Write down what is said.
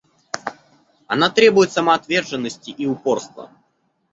Она требует самоотверженности и упорства.